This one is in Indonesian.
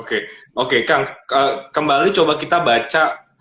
oke oke kang kembali coba kita baca